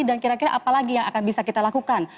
dan kira kira apa lagi yang akan bisa kita lakukan